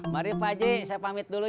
mari pak ji saya pamit dulu ya